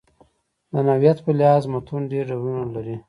د نوعیت په لحاظ متون ډېر ډولونه لري.